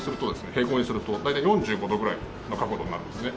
平行にすると大体４５度ぐらいの角度になるんですね。